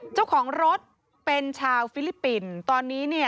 เจ้าของรถเป็นชาวฟิลิปปินส์ตอนนี้เนี่ย